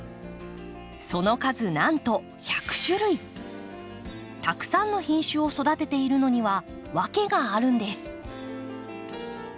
その数なんとたくさんの品種を育てているのには訳があるんです。